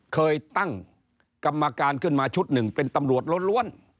เคยตั้งกรรมการขึ้นมาชุดหนึ่งเป็นตำรวจล้วน